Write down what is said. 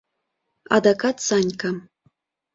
Адакат Санька.